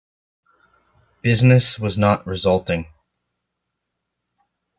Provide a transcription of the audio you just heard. Business was not resulting.